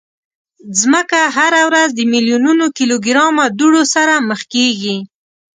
مځکه هره ورځ د میلیونونو کیلوګرامه دوړو سره مخ کېږي.